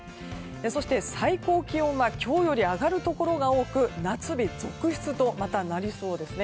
そして、最高気温は今日より上がるところが多くまた夏日続出となりそうです。